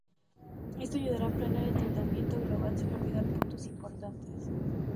Esto ayudará a planear el tratamiento global sin olvidar puntos importantes.